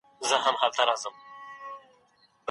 خیر محمد ته د ژوند هره ورځ د یوې نوې مبارزې په څېر وه.